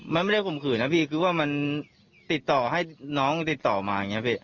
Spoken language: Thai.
มันไม่ได้ข่มขืนน่ะพี่คือว่ามันติดต่อให้น้องติดต่อมา